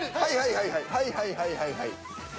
はいはいはいはい。